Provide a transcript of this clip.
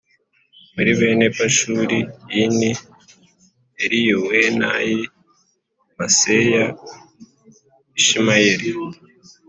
Muri bene pashuri i ni eliyowenayi maseya ishimayeli